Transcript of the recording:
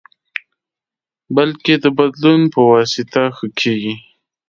بلکې د بدلون پواسطه ښه کېږي.